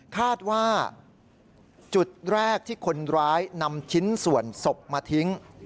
คาดว่าจุดแรกที่คนร้ายนำชิ้นส่วนศพมาทิ้ง